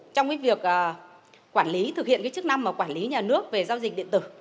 trong việc thực hiện chức năng quản lý nhà nước về giao dịch điện tử